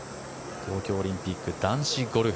東京オリンピック男子ゴルフ